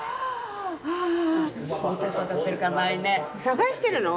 探してるの？